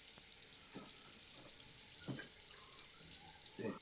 Proto je výjimečně možné setkat se s dvojím označením téhož verše.